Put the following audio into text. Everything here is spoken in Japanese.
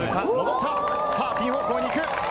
ピン方向に行く。